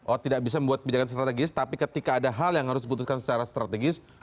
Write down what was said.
oh tidak bisa membuat kebijakan strategis tapi ketika ada hal yang harus diputuskan secara strategis